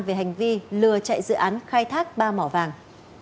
về hành vi lừa chạy dự án khai thác ba mỏ vàng